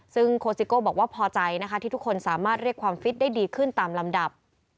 ซึ่งโคสิโก้บอกว่าพอใจนะคะที่ทุกคนสามารถเรียกความฟิตได้ดีขึ้นตามลำดับ